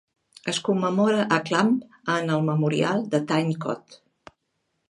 Es commemora a Clamp en el memorial de Tyne Cot.